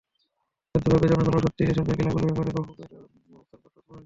তবে দুর্ভাগ্যজনক হলেও সত্যি, এসব দেখেও ক্লাবগুলোর ব্যাপারে বাফুফের অবস্থান কঠোর নয়।